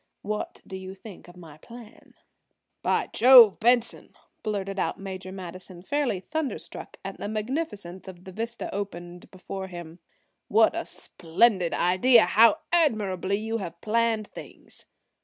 What do you think of my plan?" "By Jove, Benson," blurted out Major Madison, fairly thunder struck at the magnificence of the vista opened before him, "what a splendid idea! How admirably you have planned things!"